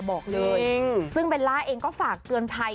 บอกเลยซึ่งเบลล่าเองก็ฝากเตือนภัย